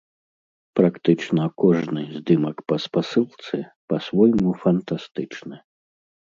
Практычна кожны здымак па спасылцы па-свойму фантастычны.